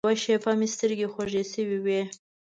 یوه شېبه مې سترګې خوږې شوې وې.